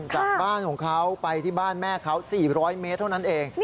จากบ้านของเขาไปที่บ้านแม่เขา๔๐๐เมตรเท่านั้นเอง